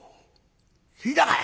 「聞いたかい？